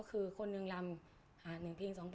คนหนึ่งด้านลำ๑๒ปีก